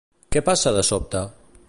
Què passa de sobte?